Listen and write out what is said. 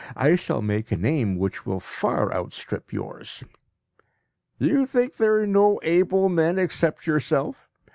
I shall make a name which will far outstrip yours. You think there are no able men except yourself?